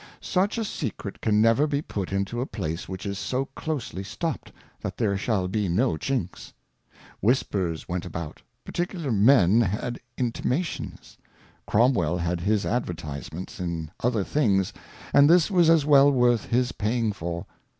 Such a Secret can never be put into a place which is so closely stopt, that there shall be no Chinks. Whispers went about, particular Men had Intimations: Cromwell had his Advertisements in other things, and this was as well worth his paying for.